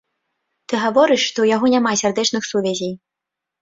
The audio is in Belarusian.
Ты гаворыш, што ў яго няма сардэчных сувязей.